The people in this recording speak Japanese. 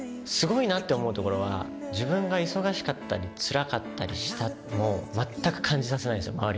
すごいなって思うところは自分が忙しかったりつらかったりしても全く感じさせないんですよ